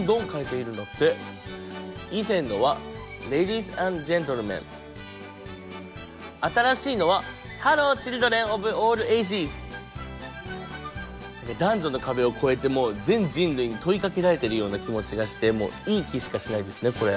以前のは新しいのは男女の壁を越えてもう全人類に問いかけられてるような気持ちがしてもういい気しかしないですねこれ。